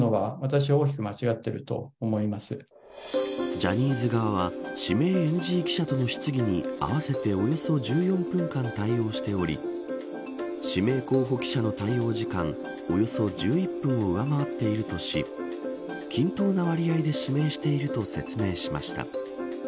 ジャニーズ側は指名ＮＧ記者との質疑に合わせておよそ１４分間対応しており指名候補記者の対応時間およそ１１分を上回っているとし均等な割合で指名していると説明しました。